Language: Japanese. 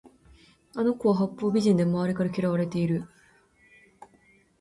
あの子は八方美人で周りから嫌われている